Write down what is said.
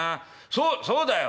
そそうだよ。